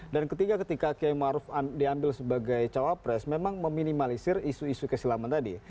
dan ketiga ketika kiai maruf diambil sebagai cawapres memang meminimalisir isu isu keislaman tadi